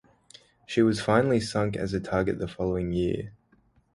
She was finally sunk as a target the following year.